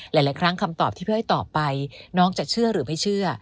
หลายครั้งคำตอบที่พี่อ้อยตอบไปน้องจะเชื่อหรือไม่เชื่อ